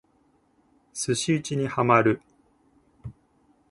寿司打にハマる